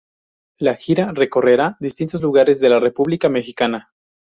La gira recorrerá distintos lugares de la República Mexicana.